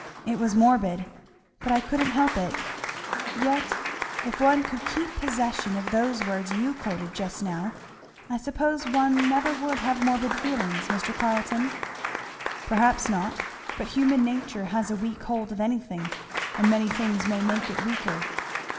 "It was morbid. But I couldn't help it. Yet if one could keep possession of those words you quoted just now, I suppose one never would have morbid feelings, Mr. Carleton?" "Perhaps not; but human nature has a weak hold of anything, and many things may make it weaker."